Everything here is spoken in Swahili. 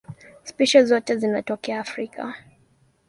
Spishi zote zinatokea Afrika.